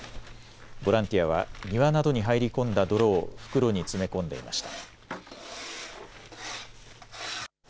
ボランティアは庭などに入り込んだ泥を袋に詰め込んでいました。